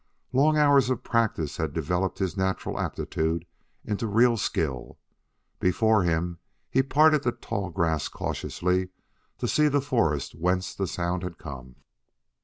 Long hours of practice had developed his natural aptitude into real skill. Before him, he parted the tall grass cautiously to see the forest whence the sound had come.